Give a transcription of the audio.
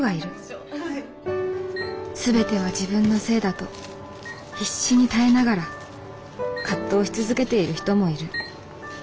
全ては自分のせいだと必死に耐えながら葛藤し続けている人もいる。